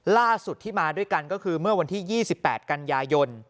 ล่าสุดที่มาด้วยกันก็คือเมื่อวันที่๒๘กันยายน